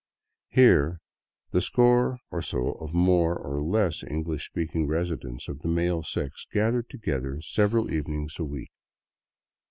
Here the score or so of more or less English speaking residents of the male sex gathered together several evenings a week.